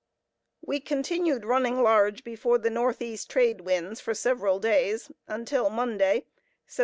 We continued running large before the northeast trade winds for several days, until Monday— _Sept.